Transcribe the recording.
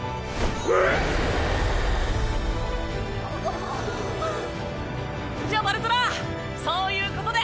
えっ⁉じゃバルトラそういうことで。